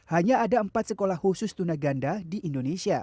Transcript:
hanya ada empat sekolah khusus tuna ganda di indonesia